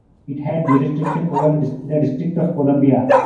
It had jurisdiction over the District of Columbia.